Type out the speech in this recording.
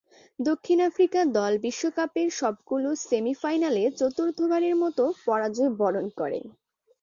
দক্ষিণ আফ্রিকা দল বিশ্বকাপের সবগুলো সেমি-ফাইনালে চতুর্থবারের মতো পরাজয়বরণ করে।